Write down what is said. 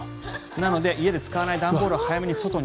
なので家で使わない段ボールは外に。